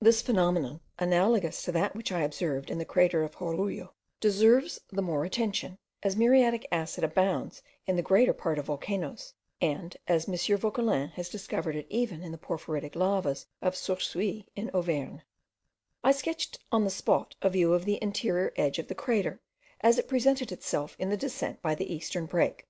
This phenomenon, analogous to that which I observed in the crater of Jorullo, deserves the more attention, as muriatic acid abounds in the greater part of volcanoes, and as M. Vauquelin has discovered it even in the porphyritic lavas of Sarcouy in Auvergne. I sketched on the spot a view of the interior edge of the crater, as it presented itself in the descent by the eastern break.